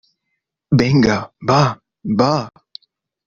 venga, va , va.